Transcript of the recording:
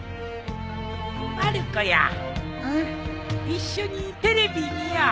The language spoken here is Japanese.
一緒にテレビ見よう。